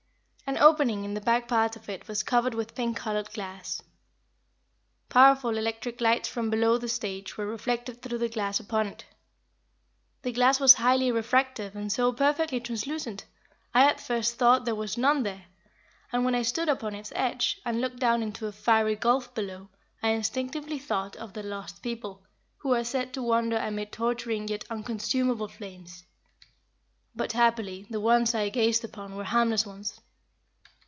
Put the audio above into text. An opening in the back part of it was covered with pink colored glass. Powerful electric lights from below the stage were reflected through this glass upon it. The glass was highly refractive and so perfectly translucent, I at first thought there was none there, and when I stood upon its edge, and looked down into a fiery gulf below, I instinctively thought of the "Lost People," who are said to wander amid torturing yet unconsumable flames. But, happily, the ones I gazed upon were harmless ones.